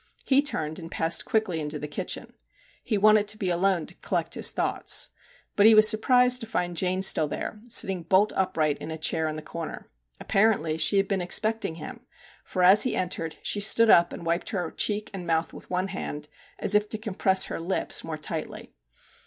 He turned and passed quickly into the kitchen. He wanted to be alone to collect his thoughts. But he was surprised to find Jane still there, sitting bolt upright in a chair in the corner. Apparently she had been expecting him, for MR. JACK HAMLIN'S MEDIATION 53 as he entered she stood up, and wiped her cheek and mouth with one hand, as if to com press her lips the more tightly.